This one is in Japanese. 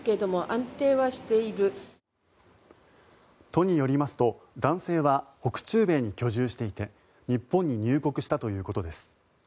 都によりますと男性は北中米に居住していて日本に入国したということです。